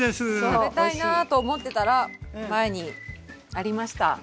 食べたいなと思ってたら前にありました。